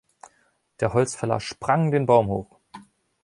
Der Holzfäller sprang den Baum hoch.